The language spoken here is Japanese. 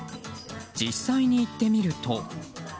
実際に行ってみると。